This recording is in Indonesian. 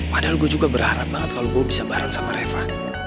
padahal gue juga berharap banget kalau gue bisa bareng sama reva